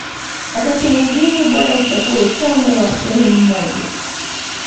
Wakati mwingine bora uchague ufalme wa sehemu moja